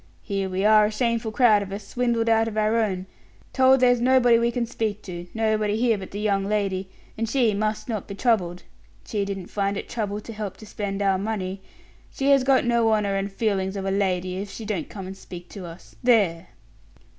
Here we are a shameful crowd of us, swindled out of our own, told there's nobody we can speak to; nobody here but the young lady, and she must not be troubled. She didn't find it trouble to help to spend our money. She has got no honor and feelings of a lady, if she don't come and speak to us. There."